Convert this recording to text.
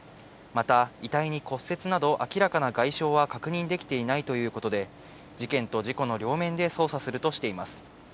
また、遺体に骨折など、明らかな外傷は確認できていないということで、事件と事故の両面で捜査するとしています。